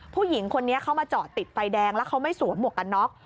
ผู้หญิงคนนี้เขามาจอดติดไฟแดงแล้วเขาไม่สวมหมวกกันน็อก